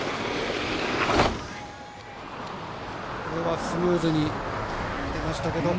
これはスムーズに出ましたが。